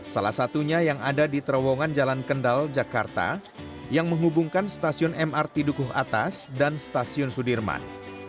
salah satunya yang ada di terowongan jalan kendal jakarta yang menghubungkan stasiun mrt dukuh atas dan stasiun sudirman